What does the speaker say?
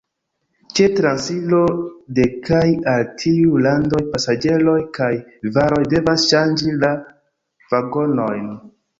Ĉe transiro de kaj al tiuj landoj pasaĝeroj kaj varoj devas ŝanĝi la vagonojn.